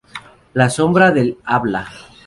La Sombra del Habla.